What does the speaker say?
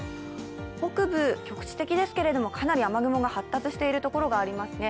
北部、局地的ですけど、かなり雨雲が発達しているところがありますね。